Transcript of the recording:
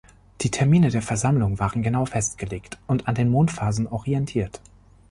Die Termine der Versammlungen waren genau festgelegt und an den Mondphasen orientiert.